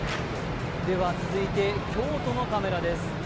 続いて京都のカメラです。